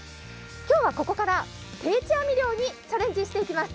今日はここから定置網漁にチャレンジしていきます。